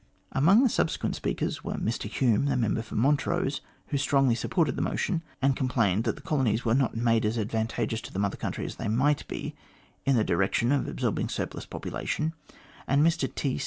Amongst the subsequent speakers were Mr Hume, the Member for Montrose, who strongly supported the motion* and complained that the colonies were not made as advan tageous to the Mother Country as they might be, in the direction of absorbing the surplus population; Mr T.